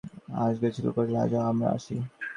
গোরা উঠিয়া কহিল, আজ আমরাও আসি।